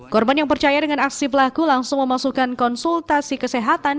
korban yang percaya dengan aksi pelaku langsung memasukkan konsultasi kesehatan